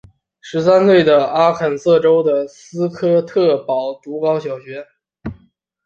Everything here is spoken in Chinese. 十三岁时阿肯色州的斯科特堡读高小学。